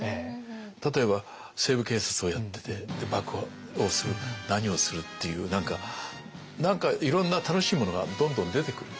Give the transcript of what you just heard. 例えば「西部警察」をやってて爆破をする何をするっていう何かいろんな楽しいものがどんどん出てくる。